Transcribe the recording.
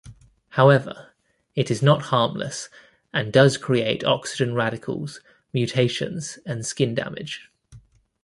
However, it is not harmless and does create oxygen radicals, mutations and skin damage.